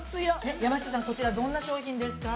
◆山下さん、こちら、どんな商品ですか。